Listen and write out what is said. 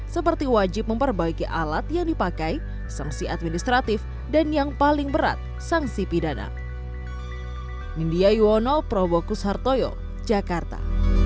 seperti wajib memperbaiki alat yang dipakai sanksi administratif dan yang paling berat sanksi pidana